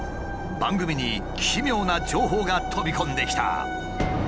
番組に奇妙な情報が飛び込んできた。